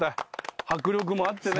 迫力もあってね。